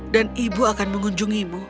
dan ibu akan mengunjungimu